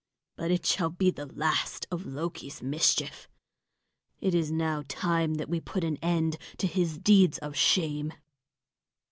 But it shall be the last of Loki's mischief. It is now time that we put an end to his deeds of shame."